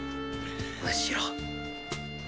むしろ